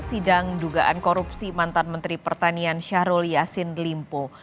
sidang dugaan korupsi mantan menteri pertanian syahrul yassin limpo